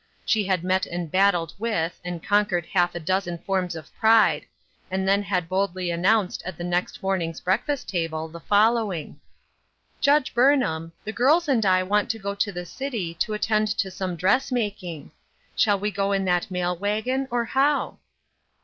She had met and battled with, and conquered half a dozen forms of pride, and then had boldly an nounced at the next morning's breakfast table, the following ;" Judge Burnham, the girls and I want to go to the city to attend to some dress making. Shall we go in that mail wagon, or how